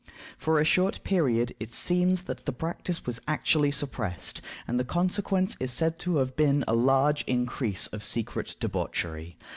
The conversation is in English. For a short period it seems that the practice was actually suppressed, and the consequence is said to have been a large increase of secret debauchery.